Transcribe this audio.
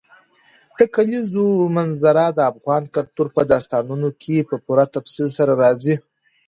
د کلیزو منظره د افغان کلتور په داستانونو کې په پوره تفصیل سره راځي.